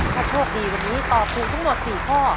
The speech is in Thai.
ถ้าโชคดีวันนี้ตอบถูกทั้งหมด๔ข้อ